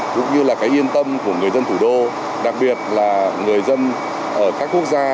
cũng như là cái yên tâm của người dân thủ đô đặc biệt là người dân ở các quốc gia